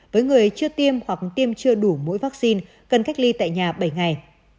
với người chưa tiêm hoặc tiêm chưa đủ mỗi vaccine cần cách ly tại nhà bảy ngày